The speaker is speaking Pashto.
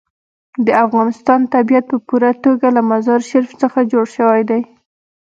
د افغانستان طبیعت په پوره توګه له مزارشریف څخه جوړ شوی دی.